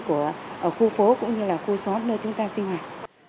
của khu phố cũng như là khu xóm nơi chúng ta sinh hoạt